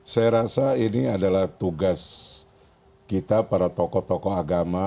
saya rasa ini adalah tugas kita para tokoh tokoh agama